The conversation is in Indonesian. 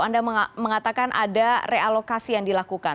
anda mengatakan ada realokasi yang dilakukan